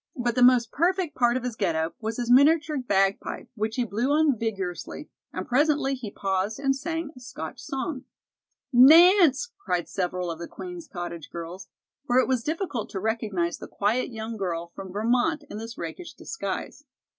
But the most perfect part of his get up was his miniature bagpipe, which he blew on vigorously, and presently he paused and sang a Scotch song. "Nance!" cried several of the Queen's Cottage girls, for it was difficult to recognize the quiet young girl from Vermont in this rakish disguise.